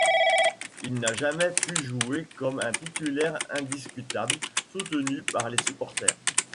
Il n'a jamais pu jouer comme un titulaire indiscutable, soutenu par les supporters.